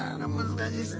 難しいですね。